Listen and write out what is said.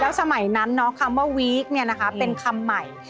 สมัยนั้นคำว่าวีคเป็นคำใหม่